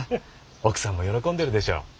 奥さんも喜んでるでしょう。